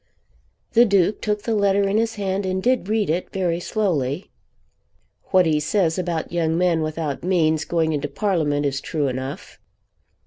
The Duke took the letter in his hand and did read it, very slowly. "What he says about young men without means going into Parliament is true enough."